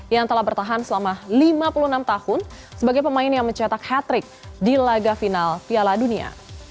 yang telah bertahan selama lima puluh enam tahun sebagai pemain yang mencetak hat trick di laga final piala dunia